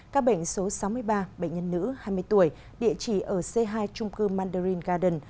các bệnh số sáu mươi ba bệnh nhân nữ hai mươi tuổi địa chỉ ở c hai trung cư mandarin garden